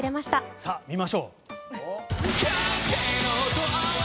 さあ、見ましょう。